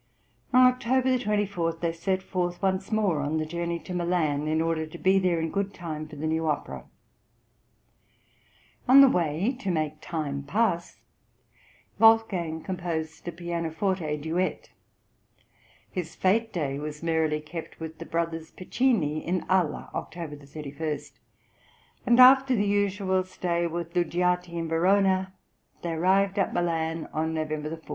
On October 24 they set forth once more on the journey to Milan, in order to be there in good time for the new opera. On the way, "to make time pass," Wolfgang composed a pianoforte duet; his fête day was merrily kept with the brothers Piccini, in Ala (October 31); and after the usual stay with Luggiati in Verona, they arrived at Milan on November 4.